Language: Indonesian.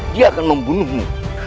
dia akan membunuhmu